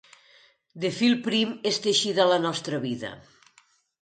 De fil prim és teixida la nostra vida.